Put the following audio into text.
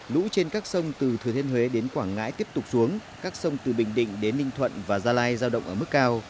lũ trên các sông từ thừa thiên huế đến quảng ngãi tiếp tục xuống các sông từ bình định đến ninh thuận và gia lai giao động ở mức cao